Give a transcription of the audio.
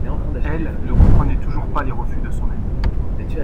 Elle, ne comprenait toujours pas les refus de son amie.